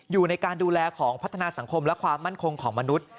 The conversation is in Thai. อยู่ในการดูแลของพัฒนาสังคมและความมั่นคงของมนุษย์